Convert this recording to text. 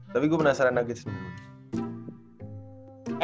tapi gue penasaran nuggets nih